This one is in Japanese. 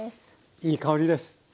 いやいい香りです。